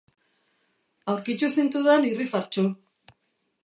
Aurkitu zintudan irrifartsu.